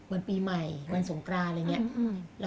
วันปีใหม่วันสงคราอะไรแยะ